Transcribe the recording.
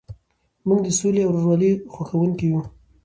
موږ د سولې او ورورولۍ غوښتونکي یو.